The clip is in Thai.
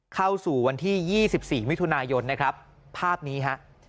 เข้าสู่วันที่๒๔มิถุนายนนะครับภาพนี้ฮะ